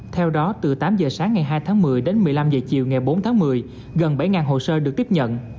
theo đó từ tám giờ sáng ngày hai tháng một mươi đến một mươi năm h chiều ngày bốn tháng một mươi gần bảy hồ sơ được tiếp nhận